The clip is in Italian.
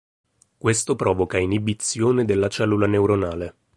Questo provoca inibizione della cellula neuronale.